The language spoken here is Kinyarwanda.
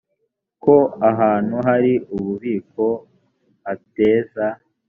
ko ahantu hari ububiko hateza